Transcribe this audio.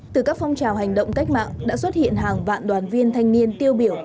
từ các phong trào hành động cách mạng đã xuất hiện hàng vạn đoàn viên thanh niên tiêu biểu